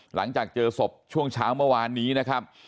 หลังจากเจอศพช่วงเช้าเมื่อวานนี้นะครับ